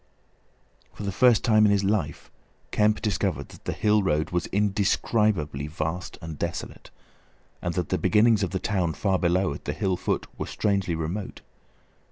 For the first time in his life Kemp discovered that the hill road was indescribably vast and desolate, and that the beginnings of the town far below at the hill foot were strangely remote.